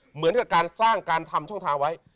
เหมือนกับการสร้างการทำช่องทางไว้